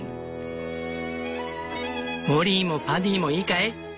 モリーもパディもいいかい？